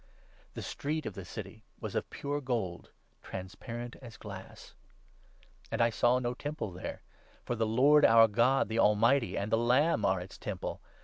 The street of the City was of pure gold, transparent as glass. And I saw no Temple 22 there, for the Lord, our God, the Almighty, and the Lamb are its Temple.